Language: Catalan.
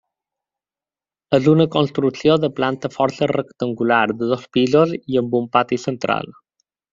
És una construcció de planta força rectangular de dos pisos i amb un pati central.